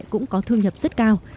cũng có thương nhập rất cao